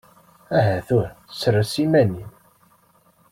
Aha tura sres iman-im!